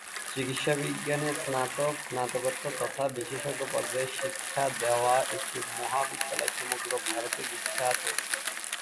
চিকিৎসা বিজ্ঞানের স্নাতক, স্নাতকোত্তর তথা বিশেষজ্ঞ পর্যায়ের শিক্ষা দেওয়া এটি মহাবিদ্যালয় সমগ্র ভারতে বিখ্যাত।